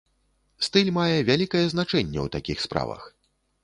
Стыль мае вялікае значэнне ў такіх справах.